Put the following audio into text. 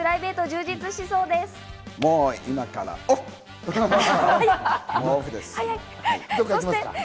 もう今からオフ。